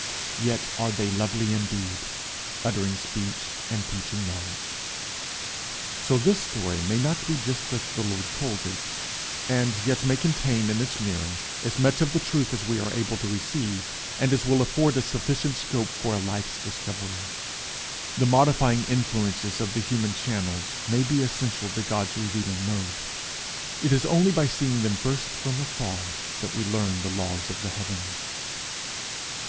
Yet are they lovely indeed, uttering speech and teaching knowledge. So this story may not be just as the Lord told it, and yet may contain in its mirror as much of the truth as we are able to receive, and as will afford us sufficient scope for a life's discovery. The modifying influences of the human channels may be essential to God's revealing mode. It is only by seeing them first from afar that we learn the laws of the heavens.